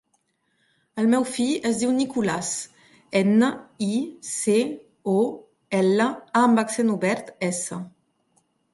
El meu fill es diu Nicolàs: ena, i, ce, o, ela, a amb accent obert, essa.